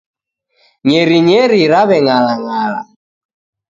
Nyerinyeri raweng'alang'ala.